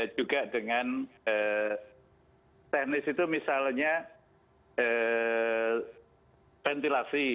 juga dengan teknis itu misalnya ventilasi